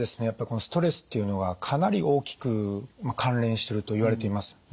やっぱりこのストレスっていうのがかなり大きく関連しているといわれています。